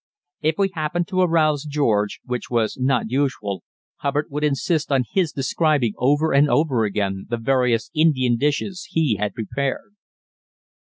If we happened to arouse George, which was not usual, Hubbard would insist on his describing over and over again the various Indian dishes he had prepared.